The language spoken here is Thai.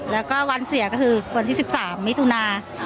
แล้วก็วันเสียก็คือวันที่๑๓มิถุนา